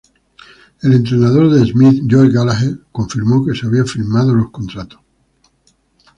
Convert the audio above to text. El entrenador de Smith, Joe Gallagher, confirmó que se habían firmado los contratos.